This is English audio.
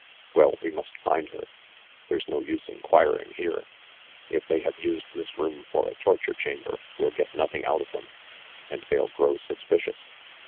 Well, we must find her. There's no use inquiring here. If they have used this room for a torture chamber, we'll get nothing out of them, and they'll grow suspicious."